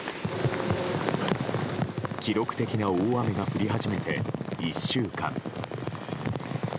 記録的な大雨が降り始めて１週間。